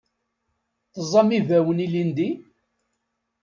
Teẓẓam ibawen ilindi?